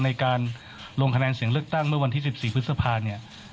ในการลงคะแนนเสียงเลือกตั้งเมื่อวันที่๑๔พฤษภาเนี่ย